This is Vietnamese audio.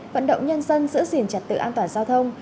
vận động nhân dân giữ gìn trật tự an toàn giao thông